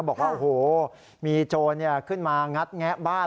บอกว่าโอ้โหมีโจรขึ้นมางัดแงะบ้าน